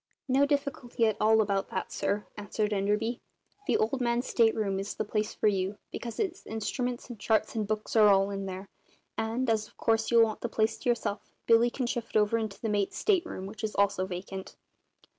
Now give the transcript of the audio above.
"No difficulty at all about that, sir," answered Enderby. "The Old Man's state room is the place for you, because his instruments and charts and books are all in there; and, as of course you'll want the place to yourself, Billy can shift over into the mate's state room, which is also vacant."